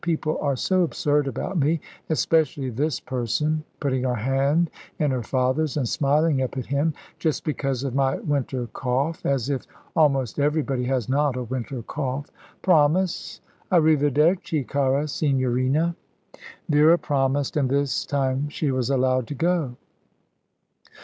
"People are so absurd about me, especially this person," putting her hand in her father's and smiling up at him, "just because of my winter cough as if almost everybody has not a winter cough. Promise! A riverderci, cara Signorina." Vera promised, and this time she was allowed to go.